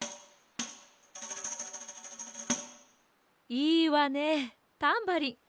いいわねタンバリン。